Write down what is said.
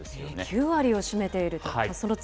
９割を占めていると。